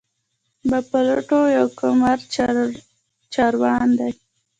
د پلوټو یو قمر چارون دی.